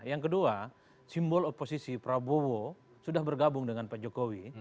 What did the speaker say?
yang kedua simbol oposisi prabowo sudah bergabung dengan pak jokowi